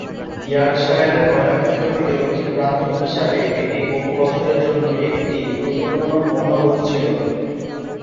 ইয়র্কশায়ারের কয়লা ক্ষেত্র থেকে দক্ষিণ প্রান্ত হিসাবে এটি বহু বছরের জন্য একটি গুরুত্বপূর্ণ পণ্য রুট ছিল।